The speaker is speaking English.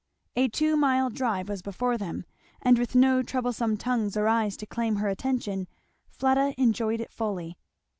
A two mile drive was before them, and with no troublesome tongues or eyes to claim her attention Fleda enjoyed it fully.